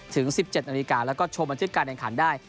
ถึง๑๗นาฬิกาแล้วก็โชว์มาที่การแห่งขันได้